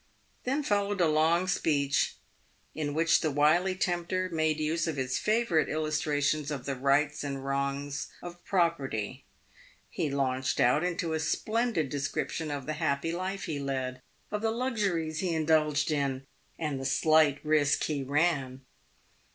Then followed a long speech, in which the wily tempter made use of his favourite illustrations of the rights and wrongs of property. He launched out into a splendid description of the happy life he led, of the luxuries he indulged in, and the slight risk he ran.